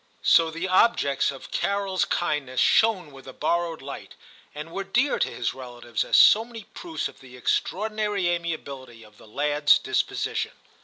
So the objects of CaroFs kindness shone with a borrowed light, and were dear to his relatives as so many proofs of the extraordinary amiability of the lad*s disposition.